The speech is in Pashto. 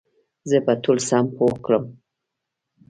زه به ټول سم پوه کړم